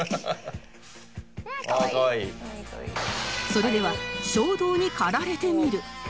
それでは衝動に駆られてみる